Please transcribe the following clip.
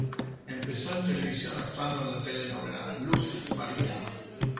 Empezó en televisión actuando en la telenovela "Luz María".